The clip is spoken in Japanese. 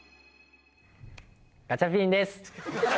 ガチャピンです。